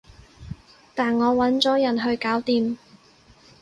但我搵咗人去搞掂